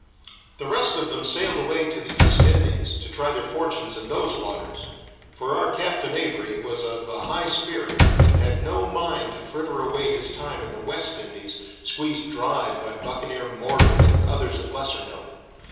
The rest of them sailed away to the East Indies, to try their fortunes in those waters, for our Captain Avary was of a high spirit, and had no mind to fritter away his time in the West Indies, squeezed dry by buccaneer Morgan and others of lesser note.